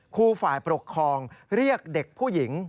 ครูฝ่ายปกครองเรียกเด็กผู้หญิง